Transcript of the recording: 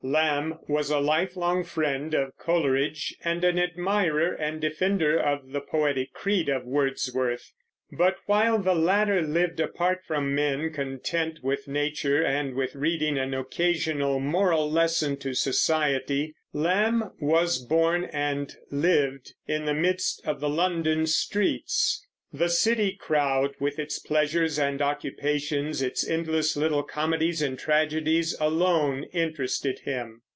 Lamb was a lifelong friend of Coleridge, and an admirer and defender of the poetic creed of Wordsworth; but while the latter lived apart from men, content with nature and with reading an occasional moral lesson to society, Lamb was born and lived in the midst of the London streets. The city crowd, with its pleasures and occupations, its endless little comedies and tragedies, alone interested him.